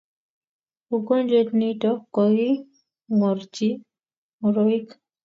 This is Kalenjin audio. ugojwet nito kokingorchin ngoroik